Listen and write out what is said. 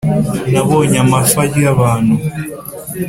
Nabonye amafi arya abantu